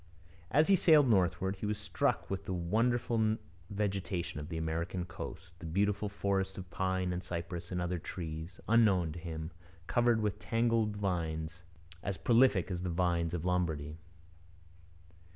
As he sailed northward he was struck with the wonderful vegetation of the American coast, the beautiful forest of pine and cypress and other trees, unknown to him, covered with tangled vines as prolific as the vines of Lombardy.